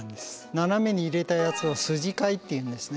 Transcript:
斜めに入れたやつを筋交いっていうんですね。